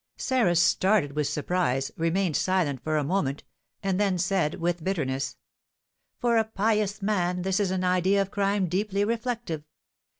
Sarah started with surprise, remained silent for a moment, and then said, with bitterness: "For a pious man, this is an idea of crime deeply reflective!